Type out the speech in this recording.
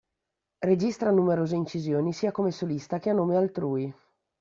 Registra numerose incisioni sia come solista che a nome altrui.